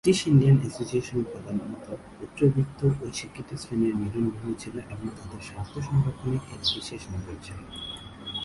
British Indian association প্রধানত উচ্চবিত্ত ও শিক্ষিত শ্রেণীর মিলন ভূমি ছিল এবং তাদের স্বার্থ সংরক্ষণে এর বিশেষ নজর ছিল।